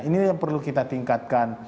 ini yang perlu kita tingkatkan